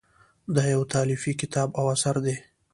دا یو تالیفي کتاب او اثر دی.